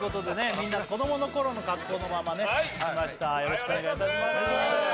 みんな子供の頃の格好のままねよろしくお願いいたします